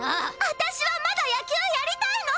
私はまだ野球やりたいの！